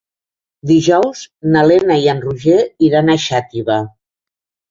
Dijous na Lena i en Roger iran a Xàtiva.